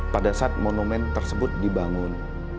pada saat monumen tersebut dibangun